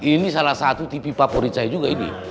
ini salah satu tv favorit saya juga ini